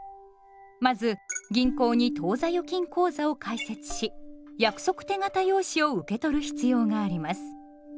まず銀行に当座預金口座を開設し「約束手形用紙」を受け取る必要があります。